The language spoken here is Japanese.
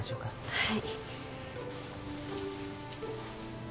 はい。